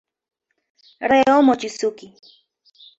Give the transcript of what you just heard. Reo Mochizuki